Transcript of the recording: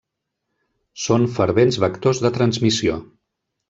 Són fervents vectors de transmissió.